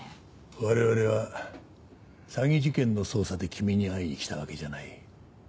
我々は詐欺事件の捜査で君に会いに来たわけじゃない。